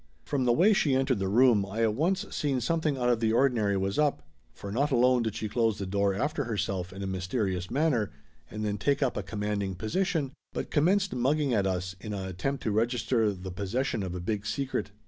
From the way she entered the room I at once seen something out of the ordinary was up, for not alone did she close the door after herself in a mysterious manner, and then take up a commanding position, but commenced mugging at us in a attempt to register the 338 Laughter Limited possession of a big secret.